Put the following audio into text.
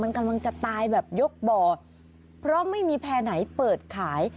มันกำลังจะตายแบบยกบ่อเพราะไม่มีแพร่ไหนเปิดขาย